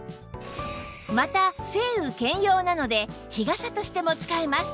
また晴雨兼用なので日傘としても使えます